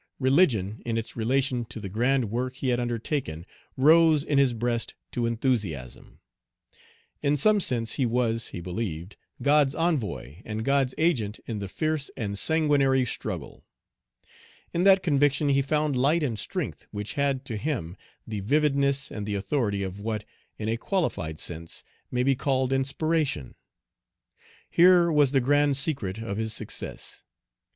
Religion, in its relation to the grand work he had undertaken, rose in his breast to enthusiasm. In some sense he was, he believed, God's envoy and God's agent in the fierce and sanguinary struggle. In that conviction he found light and strength which had, to him, the vividness and the authority of what, in a qualified sense, may be called inspiration. Here was the grand secret of his success.